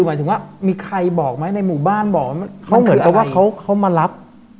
หมายถึงว่ามีใครบอกไหมในหมู่บ้านบอกว่าเขาเหมือนกับว่าเขามารับ